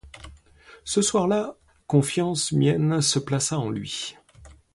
Ce soir-là confiance mienne se plaça en lui.